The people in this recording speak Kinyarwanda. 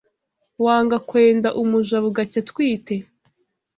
Wanga kwenda umuja bugacya atwite